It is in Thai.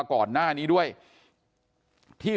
กลุ่มตัวเชียงใหม่